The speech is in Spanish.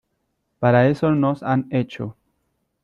Para eso nos han hecho.